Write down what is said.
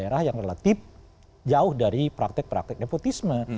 daerah yang relatif jauh dari praktek praktek nepotisme